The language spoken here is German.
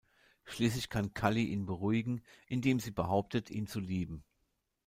Schließlich kann Callie ihn beruhigen, indem sie behauptet, ihn zu lieben.